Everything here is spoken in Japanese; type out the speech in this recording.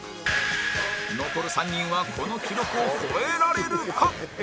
残る３人はこの記録を超えられるか？